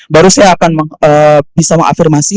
baru saya akan bisa mengafirmasi